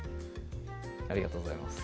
ありがとうございます